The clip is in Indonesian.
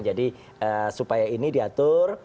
jadi supaya ini diatur